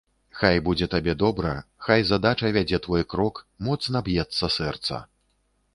Хай будзе табе добра, хай задача вядзе твой крок, моцна б'ецца сэрца.